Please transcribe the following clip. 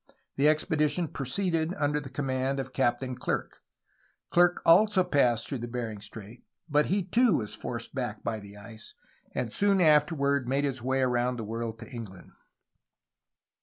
The expedition proceeded under the command of Captain Clerke. Clerke also passed through Bering Strait, but he too was forced back by the ice, and soon afterward made his way around the world to England.